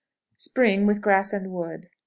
Spring, with grass and wood. 38.